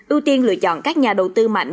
ưu tiên lựa chọn các nhà đầu tư mạnh